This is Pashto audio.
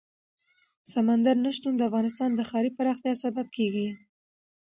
سمندر نه شتون د افغانستان د ښاري پراختیا سبب کېږي.